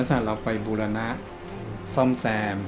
สารฝ่ายบูรณะส้อมแซม